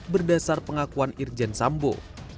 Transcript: berdasar pengakuan irjen sambo